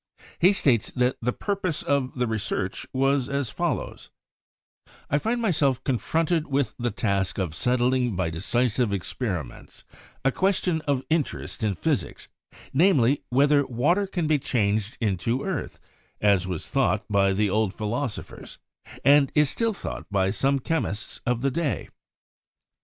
He states that the purpose of the research was as follows : "I find myself confronted with the task of settling by decisive experiments a question of interest in physics, namely, whether water can be changed into earth, as was thought by the old philosophers, and still is thought by some chemists of the day."